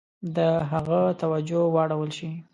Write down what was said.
د هغه توجه واړول شي.